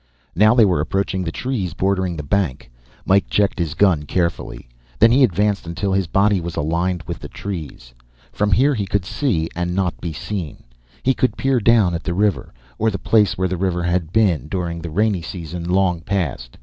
Now they were approaching the trees bordering the bank. Mike checked his gun carefully. Then he advanced until his body was aligned with the trees. From here he could see and not be seen. He could peer down at the river or the place where the river had been, during the rainy season long past.